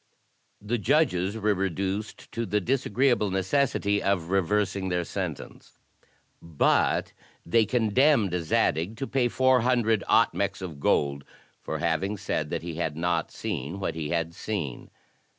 The judges were reduced to the disagreeable necessity of reversing their sentence; but they condemned Zadig to pay four hundred otmces of gold for having said that he had not seen what he had seen.